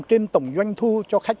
trên tổng doanh thu cho khách